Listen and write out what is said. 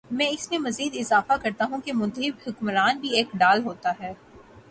میں اس میں مزید اضافہ کرتا ہوں کہ منتخب حکمران بھی ایک ڈھال ہوتا ہے۔